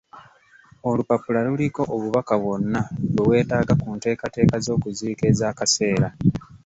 Olupapula luliko obubaka bw'onna bwe weetaaga ku nteekateeka z'okuziika ez'akaseera.